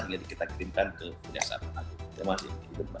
jadi kita kirimkan ke penyiasatan